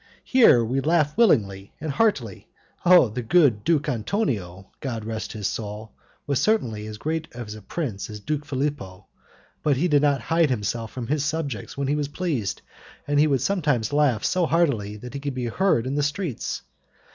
Here we laugh willingly and heartily! Oh! the good Duke Antonio (God rest his soul!) was certainly as great a prince as Duke Philipo, but he did not hide himself from his subjects when he was pleased, and he would sometimes laugh so heartily that he could be heard in the streets.